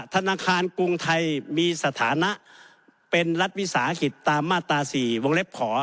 ธนาคารกรุงไทยมีสถานะเป็นรัฐวิสาหกิจตามมาตรา๔วงเล็บขอ